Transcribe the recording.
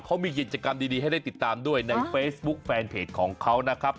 เขามีกิจกรรมดีให้ได้ติดตามด้วยในเฟซบุ๊คแฟนเพจของเขานะครับ